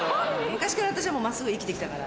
昔から私は真っすぐ生きて来たから。